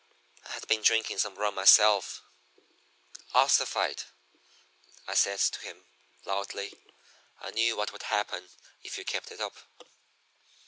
I had been drinking some rum myself. "'Ossified!' I says to him, loudly. 'I knew what would happen if you kept it up.'